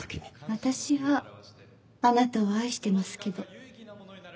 私はあなたを愛してますけど。